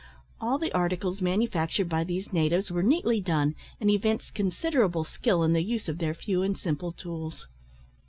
All the articles manufactured by these natives were neatly done, and evinced considerable skill in the use of their few and simple tools.